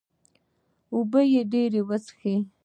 اوبۀ دې ډېرې څښي